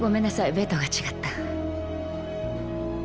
ベッドが違った。